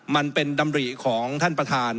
มันเป็นดำริของท่านประธาน